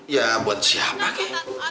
ya buat siapa kek